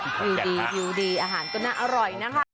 อยู่ดีอาหารก็น่าอร่อยนะครับ